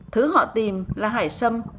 thứ họ tìm là hải sâm